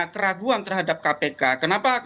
keraguan terhadap kpk kenapa